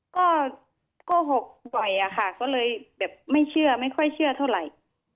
ก็โกหกบ่อยอะค่ะก็เลยแบบไม่เชื่อไม่ค่อยเชื่อเท่าไหร่